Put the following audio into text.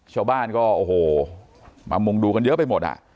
ชาวบ้านก็โอ้โหมามุงดูกันเยอะไปหมดอ่ะ